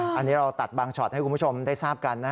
อันนี้เราตัดบางช็อตให้คุณผู้ชมได้ทราบกันนะ